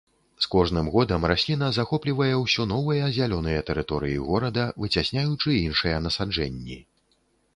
З кожным годам расліна захоплівае ўсё новыя зялёныя тэрыторыі горада, выцясняючы іншыя насаджэнні.